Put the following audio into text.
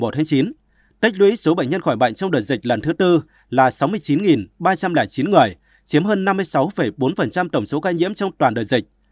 tách lũy số bệnh nhân khỏi bệnh trong đợt dịch lần thứ tư là sáu mươi chín ba trăm linh chín người chiếm hơn năm mươi sáu bốn tổng số ca nhiễm trong toàn đợt dịch